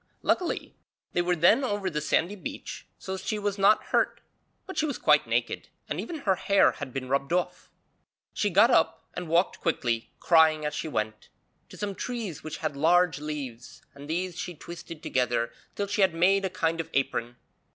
Luckily they were then over the sandy beach so she was not hurt, but she was quite naked and even her hair had been rubbed off. She got up and walked quickly, crying as she went, to some trees which had large leaves, and these she twisted together till she had made a kind of apron.